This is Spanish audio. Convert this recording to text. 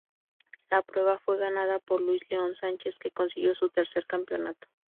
La prueba fue ganada por Luis León Sánchez, que consiguió su tercer campeonato.